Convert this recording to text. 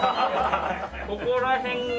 ここら辺が。